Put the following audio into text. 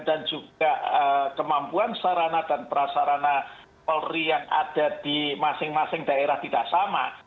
dan juga kemampuan sarana dan prasarana polri yang ada di masing masing daerah tidak sama